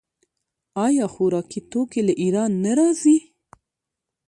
آیا خوراکي توکي له ایران نه راځي؟